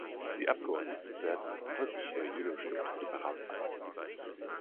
Die Abgeordneten werden folglich über jede Bestimmung separat abstimmen.